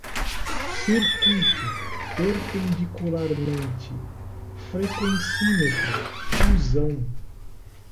circuito, perpendicularmente, frequencímetro, fusão